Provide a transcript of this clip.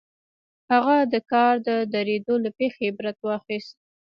هغه د کار د درېدو له پېښې عبرت واخيست.